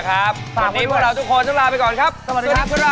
โปรดติดตามันทุกวันโปรดติดตามันทุกวัน